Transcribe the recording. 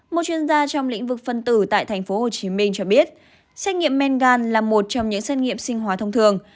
một chuyên gia trong lĩnh vực phân tử tại tp hcm cho biết xét nghiệm men gan là một trong những xét nghiệm sinh hóa thông thường